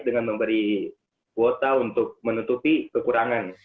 dengan memberi kuota untuk menutupi kekurangan